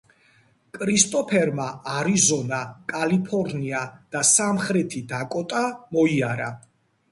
კრისტოფერმა არიზონა, კალიფორნია და სამხრეთი დაკოტა მოიარა.